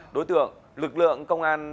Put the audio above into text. đối tượng lực lượng công an